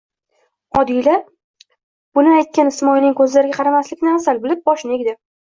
Odila bunia ytgan Ismoilning ko'zlariga qaramaslikni afzal bilib, boshini egdi.